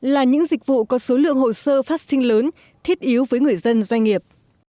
là những dịch vụ có số lượng hồ sơ phát sinh lớn thiết yếu với người dân doanh nghiệp